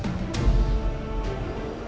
kamu mau jalanin ke jalanan